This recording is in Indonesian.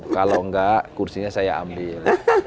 kalau enggak kursinya saya ambil